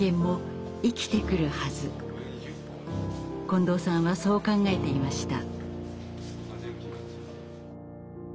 近藤さんはそう考えていました。